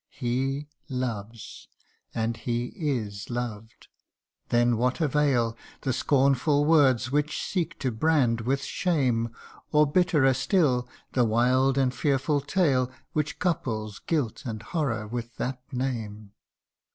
He loves and he is loved ! then what avail The scornful words which seek to brand with shame ? 6 THE UNDYING ONE. Or bitterer still, the wild and fearful tale Which couples guilt and horror with that name